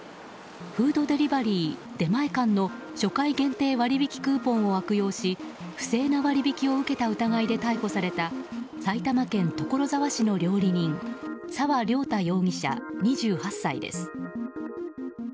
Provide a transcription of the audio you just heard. フードデリバリー出前館の初回限定割引クーポンを悪用し不正な割引を受けた疑いで逮捕された埼玉県所沢市の料理人沢涼太容疑者、２８歳です。